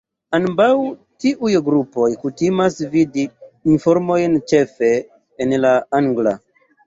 Ambaŭ tiuj grupoj kutimas vidi informojn ĉefe en la angla.